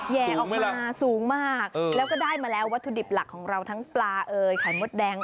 แย่ออกมาสูงมากแล้วก็ได้มาแล้ววัตถุดิบหลักของเราทั้งปลาเอ่ยไข่มดแดง